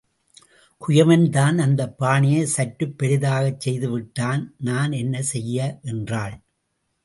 குயவன் தான் அந்தப் பானையை சற்றுப் பெரிதாகச் செய்து விட்டான் நான் என்ன செய்ய என்றாள்.